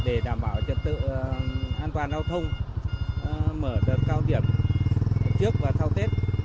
để đảm bảo trật tự an toàn giao thông mở đợt cao điểm trước và sau tết